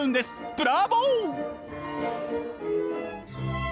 ブラボー！